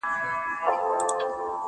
په نارو یو له دنیا له ګاونډیانو،